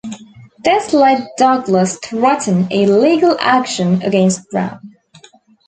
This led Douglas threaten a legal action against Brown.